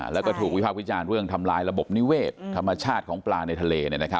แล้วก็ถูกวิภาควิจารณ์เรื่องทำลายระบบนิเวศธรรมชาติของปลาในทะเล